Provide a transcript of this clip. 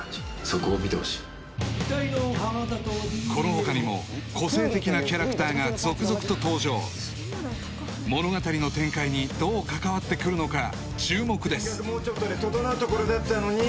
そこを見てほしいこのほかにも個性的なキャラクターが続々と登場物語の展開にどう関わってくるのか注目です